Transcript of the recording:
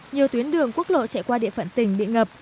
nhiều tuyến đường quốc lộ chạy qua địa phận tỉnh bị ngập